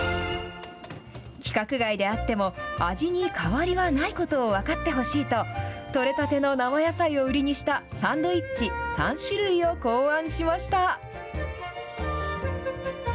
規格外であっても、味に変わりはないことを分かってほしいと、取れたての生野菜を売りにしたサンドイッチ３種類を考案しました。